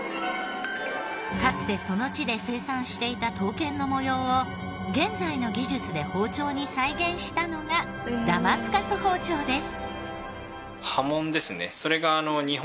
かつてその地で生産していた刀剣の模様を現在の技術で包丁に再現したのがダマスカス包丁です。